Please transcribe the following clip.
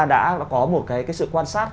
đã có một cái sự quan sát